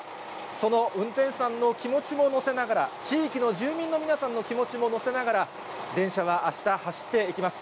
その運転士さんの気持ちも乗せながら、地域の住民の皆さんの気持ちも乗せながら、電車はあした、走っていきます。